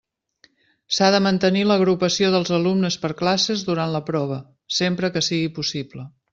S'ha de mantenir l'agrupació dels alumnes per classes durant la prova, sempre que sigui possible.